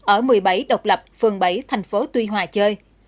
ở một mươi bảy độc lập phường bảy tp tuy hòa chơi